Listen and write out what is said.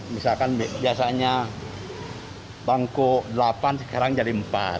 misalkan biasanya bangku delapan sekarang jadi empat